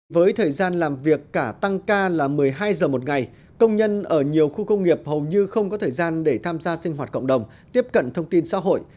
với thời gian làm việc cả tăng ca là một mươi hai giờ một ngày công nhân ở nhiều khu công nghiệp hầu như không có thời gian để tham gia sinh hoạt cộng đồng tiếp cận thông tin xã hội